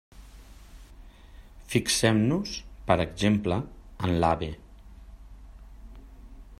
Fixem-nos, per exemple, en l'AVE.